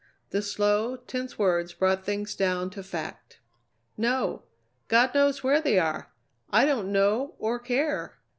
The slow, tense words brought things down to fact. "No! God knows where they are! I don't know or care."